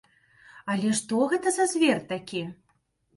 Але што гэта за звер такі?